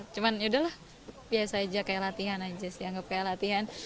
cuman yaudah lah biasa aja kayak latihan aja sih